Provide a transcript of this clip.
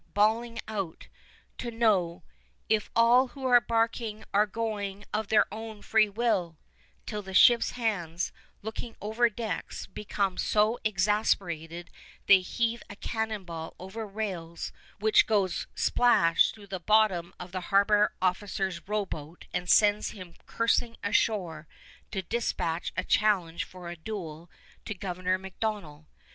. bawling out ... to know "if all who are embarking are going of their own free will," till the ship's hands, looking over decks, become so exasperated they heave a cannon ball over rails, which goes splash through the bottom of the harbor officer's rowboat and sends him cursing ashore to dispatch a challenge for a duel to Governor MacDonell.